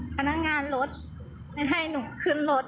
พนักงานรถให้หนูขึ้นรถ